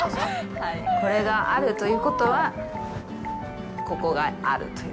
これがあるということは、ここがあるという。